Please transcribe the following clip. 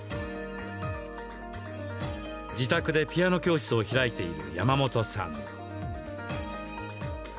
自宅でピアノ教室を開いている山本さん。